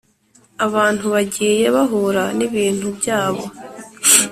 abantu bagiye bahura n’ibintu byabo